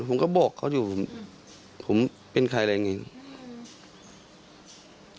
ผมก็บอกเขาอยู่ผมเป็นใครอะไรอย่างนี้